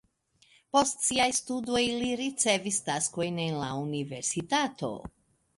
Post siaj studoj li ricevis taskojn en la universitato.